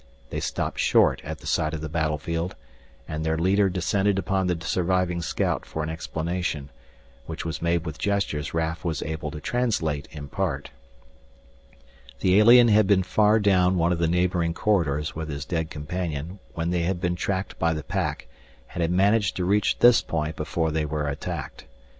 They stopped short at the sight of the battlefield, and their leader descended upon the surviving scout for an explanation, which was made with gestures Raf was able to translate in part. The alien had been far down one of the neighboring corridors with his dead companion when they had been tracked by the pack and had managed to reach this point before they were attacked.